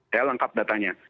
saya lengkap datanya